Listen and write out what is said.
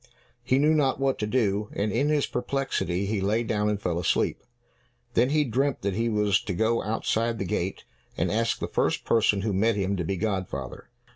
He knew not what to do, and, in his perplexity, he lay down and fell asleep. Then he dreamt that he was to go outside the gate, and ask the first person who met him to be godfather.